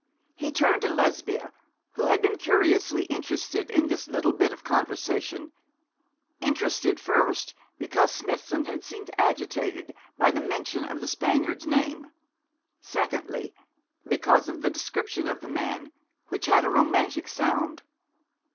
He turned to Lesbia, who had been curiously interested in this little bit of conversation interested first because Smithson had seemed agitated by the mention of the Spaniard's name; secondly, because of the description of the man, which had a romantic sound.